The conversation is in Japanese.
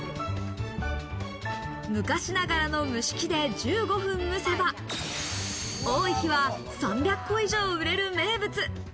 昔ながらの蒸し器で１５分蒸せば、多い日は３００個以上売れる名物。